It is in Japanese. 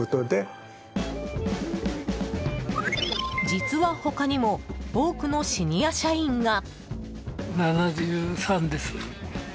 実は他にも多くのシニア社員が。